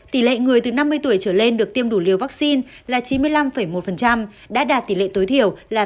tỉ lệ người từ năm mươi tuổi trở lên được tiêm đủ liều vaccine là chín mươi năm một đã đạt tỉ lệ tối thiểu là tám mươi